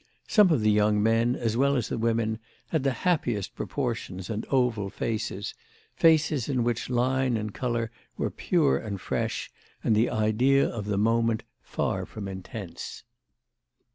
Some of the young men, as well as the women, had the happiest proportions and oval faces—faces in which line and colour were pure and fresh and the idea of the moment far from intense.